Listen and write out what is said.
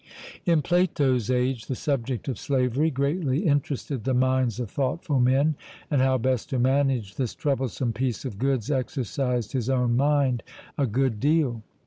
In Plato's age the subject of slavery greatly interested the minds of thoughtful men; and how best to manage this 'troublesome piece of goods' exercised his own mind a good deal.